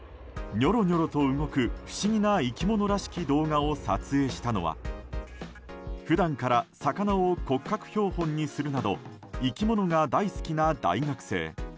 ニョロニョロと動く不思議な生き物らしき動画を撮影したのは普段から魚を骨格標本にするなど生き物が大好きな大学生。